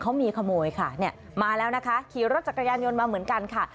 เขามีขโมยค่ะเนี่ยมาแล้วนะคะขี่รถจักรยานยนต์มาเหมือนกันค่ะ